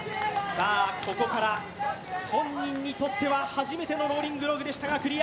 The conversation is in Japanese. ここから本人にとっては初めてのローリングヒルでしたが、クリア。